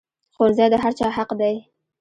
ښوونځی د هر چا حق دی